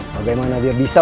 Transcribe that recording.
bagaimana dia bisa